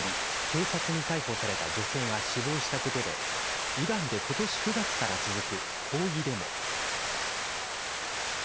警察に逮捕された女性が死亡したことでイランで今年９月から続く抗議デモ。